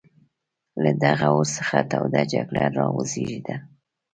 له دغه اور څخه توده جګړه را وزېږېده.